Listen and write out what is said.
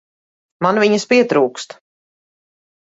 Man viņas pietrūkst.